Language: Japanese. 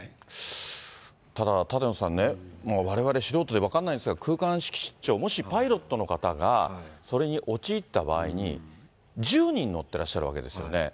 ただ、舘野さんね、われわれ素人で分かんないんですが、空間識失調、もしパイロットの方がそれに陥った場合に、１０人乗ってらっしゃるわけですよね。